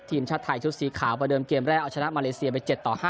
ทีมชาติไทยชุดสีขาวประเดิมเกมแรกเอาชนะมาเลเซียไป๗ต่อ๕